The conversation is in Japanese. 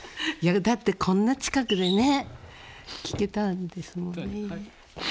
だって、こんな近くでね聴けたんですもんね。